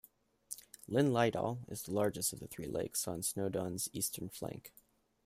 Llyn Llydaw is the largest of the three lakes on Snowdon's eastern flank.